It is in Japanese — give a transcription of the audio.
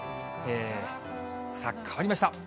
さあ、変わりました。